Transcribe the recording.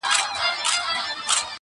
ما ته خدای وو دا وړیا نغمت راکړی-